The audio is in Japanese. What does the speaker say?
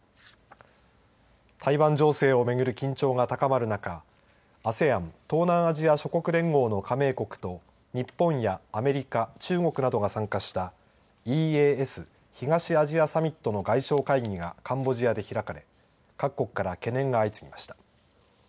台湾情勢を巡る緊張が高まる中ＡＳＥＡＮ東南アジア諸国連合の加盟国と日本やアメリカ中国などが参加したＥＡＳ、東アジアサミットの外相会議がカンボジアで開かれ各国から懸念が相次ぎました。